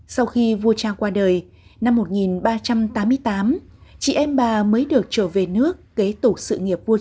sau khi vua cha qua đời năm một nghìn ba trăm tám mươi tám chị em bà mới được trở về nước kế tục sự nghiệp vua cha